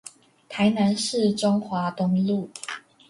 台南市中華東路